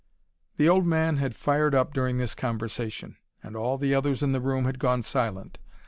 The old man had fired up during this conversation and all the others in the room had gone silent.